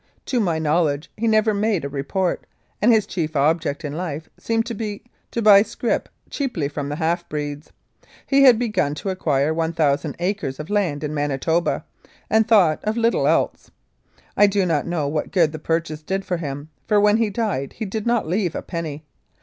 To my knowledge he never made a report, and his chief object in life seemed to be to buy scrip cheaply from the half breeds. He had begun to acquire 1,000 acres of land in Manitoba, and thought of little else. I do not know what good the purchase did him, for when he died he did not leave a penny.